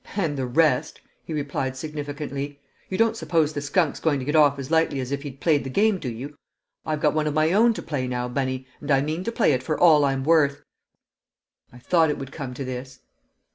"And the rest!" he replied, significantly. "You don't suppose the skunk's going to get off as lightly as if he'd played the game, do you? I've got one of my own to play now, Bunny, and I mean to play it for all I'm worth. I thought it would come to this!"